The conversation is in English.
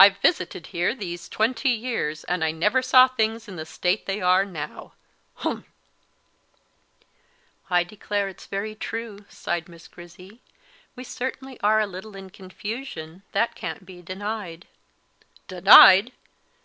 I've visited here these twenty years, and I never saw things in the state they are now humph!" "I declare it's very true," sighed Miss Grizzy; "we certainly are a little in confusion, that can't be denied." "Denied!